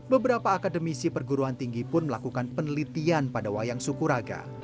beberapa akademisi perguruan tinggi pun melakukan penelitian pada wayang sukuraga